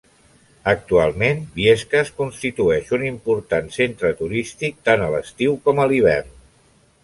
Actualment Biescas constitueix un important centre turístic, tant a l’estiu com a l’hivern.